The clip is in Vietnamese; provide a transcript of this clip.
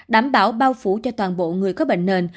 đảm bảo bao phủ cho toàn bộ người có bệnh nền